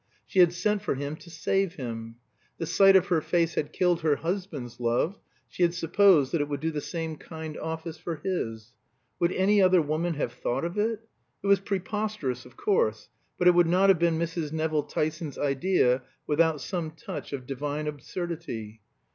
She had sent for him to save him. The sight of her face had killed her husband's love; she had supposed that it would do the same kind office for his. Would any other woman have thought of it? It was preposterous, of course; but it would not have been Mrs. Nevill Tyson's idea without some touch of divine absurdity.